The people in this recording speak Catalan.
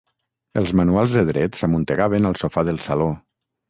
Els manuals de dret s'amuntegaven al sofà del saló.